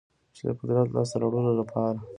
چې د قدرت لاسته راوړلو لپاره